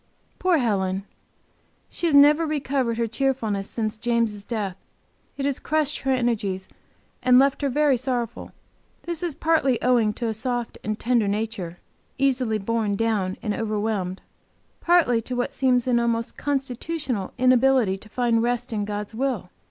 Poor Helen! She has never recovered her cheerfulness since James' death. It has crushed her energies and left her very sorrowful. This is partly owing to a soft and tender nature, easily borne down and overwhelmed, partly to what seems an almost constitutional inability to find rest in God's will.